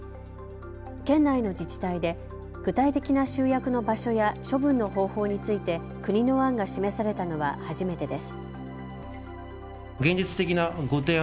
県内の自治体で具体的な集約の場所や処分の方法について国の案が示されたのは初めてです。